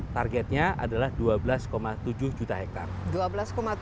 targetnya adalah dua belas tujuh juta hektare